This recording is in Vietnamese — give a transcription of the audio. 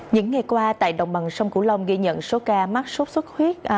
những ngày qua tại đồng bằng sông cửu long ghi nhận số ca mắc sốt xuất huyết